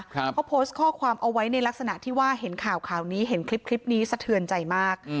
เขาโพสต์ข้อความเอาไว้ในลักษณะที่ว่าเห็นข่าวข่าวนี้เห็นคลิปนี้สะเทือนใจมาก